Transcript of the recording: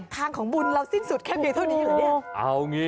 ทางของบุญเราสิ้นสุดแค่เพียงเท่านี้เหรอเนี่ย